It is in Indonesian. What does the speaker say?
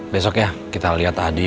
besoknya kita lihat adi